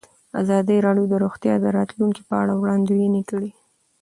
ازادي راډیو د روغتیا د راتلونکې په اړه وړاندوینې کړې.